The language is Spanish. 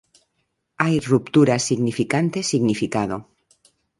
Hay ruptura significante-significado.